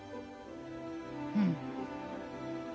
うん。